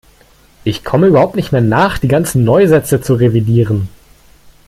Ich komme überhaupt nicht mehr nach, die ganzen Neusätze zu revidieren.